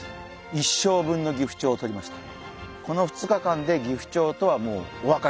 一生分のギフチョウをとりました。